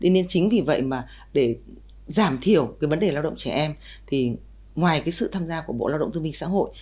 nên chính vì vậy mà để giảm thiểu vấn đề lao động trẻ em thì ngoài sự tham gia của bộ lao động thương minh xã hội